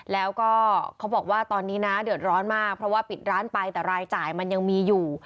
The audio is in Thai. แล้วก็เขาบอกว่าตอนนี้นะเดือดร้อนมากเพราะว่าปิดร้านไปแต่รายจ่ายมันยังมีอยู่